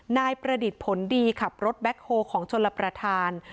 นายประดิษฐ์ผลดีขับรถแบ็คโฮลของชนรับประทาน